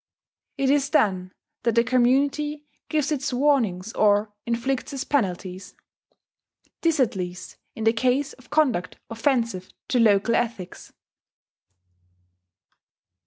It is then that the community gives its warnings or inflicts its penalties: this at least in the case of conduct offensive to local ethics.